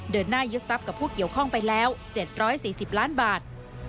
เดินหน้ายึดทรัพย์กับผู้เกี่ยวข้องไปแล้ว๗๔๐ล้านบาท